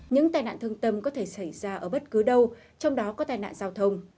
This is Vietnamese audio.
những tai nạn thương tâm có thể xảy ra ở bất cứ đâu trong đó có tai nạn giao thông